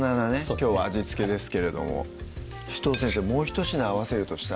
きょうは味付けですけれども紫藤先生もうひと品合わせるとしたら？